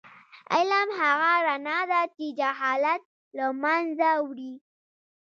علم هغه رڼا ده چې جهالت له منځه وړي.